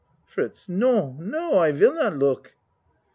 FRITZ No, no I will not look.